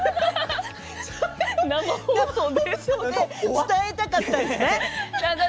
伝えたかったんですね。